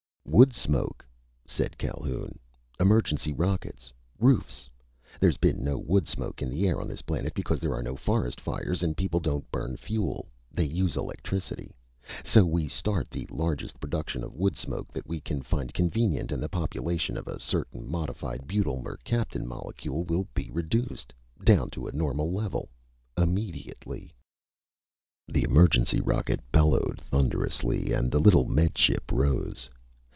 "Wood smoke," said Calhoun. "Emergency rockets. Roofs! There's been no wood smoke in the air on this planet because there are no forest fires and people don't burn fuel. They use electricity. So we start the largest production of wood smoke that we find convenient, and the population of a certain modified butyl mercaptan molecule will be reduced. Down to a normal level. Immediately!" The emergency rocket bellowed thunderously and the little Med Ship rose.